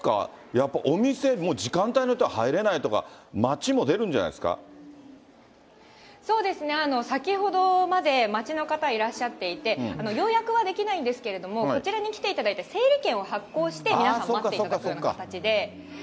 やっぱりお店、もう時間帯によっては入れないとか、そうですね、先ほどまで待ちの方いらっしゃっていて、予約はできないんですけど、こちらに来ていただいて、整理券を発行して皆さん、待っていただくような形で。